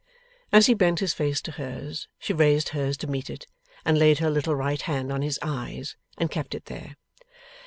As he bent his face to hers, she raised hers to meet it, and laid her little right hand on his eyes, and kept it there.